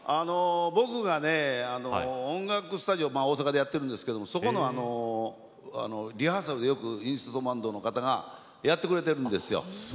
僕は音楽スタジオを大阪でやってるんですけれどもそこのリハーサルでよく韻シストＢＡＮＤの方がやってくれているんですよ。